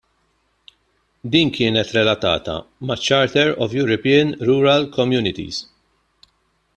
Din kienet relatata maċ-Charter of European Rural Communities.